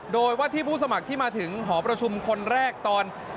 โดยว่าที่ผู้สมัครที่มาถึงหอประชุมคนแรกตอน